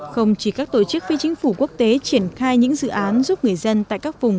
không chỉ các tổ chức phi chính phủ quốc tế triển khai những dự án giúp người dân tại các vùng